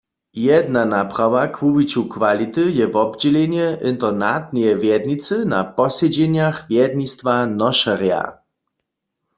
Jedna naprawa k wuwiću kwality je wobdźělenje internatneje wjednicy na posedźenjach wjednistwa nošerja.